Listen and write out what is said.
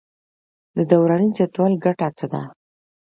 د دوراني جدول ګټه څه ده.